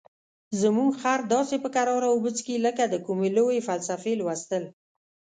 زموږ خر داسې په کراره اوبه څښي لکه د کومې لویې فلسفې لوستل.